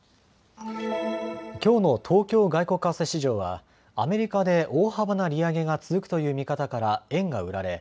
きょうの東京外国為替市場はアメリカで大幅な利上げが続くという見方から円が売られ